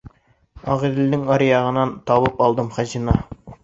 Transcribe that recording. Ағиҙелдең аръяғынан Табып алдым хазина!